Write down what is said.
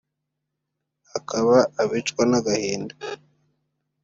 hakaba abicwa n’agahinda